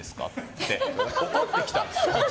って怒ってきたんですよ。